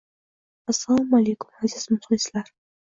Assalomu alaykum, aziz muhlislar